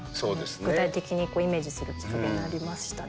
具体的にイメージするきっかけになりましたね。